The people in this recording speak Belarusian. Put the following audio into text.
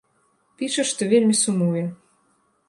Піша, што вельмі сумуе.